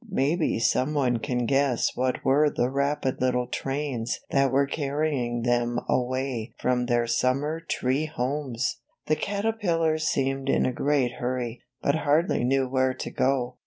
Maybe some one can guess what were the rapid little trains that were carrying them away from their summer tree homes! The caterpillars seemed in a great hurry, but hardly knew where to go.